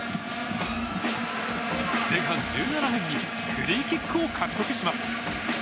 前半１７分にフリーキックを獲得します。